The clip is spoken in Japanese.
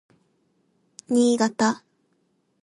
新潟